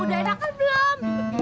udah enakan belum